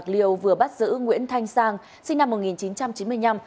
tỉnh bạc liêu vừa bắt giữ nguyễn thanh sang sinh năm một nghìn chín trăm chín mươi năm